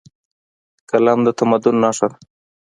قلم د تمدن نښه ده.